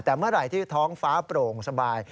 แต่เมื่อไหร่ที่ท้องฟ้าโปร่งสบาย